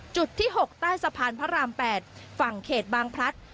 จุดที่๖ใต้สะพานพระราม๘ฝั่งเขตบางพลัด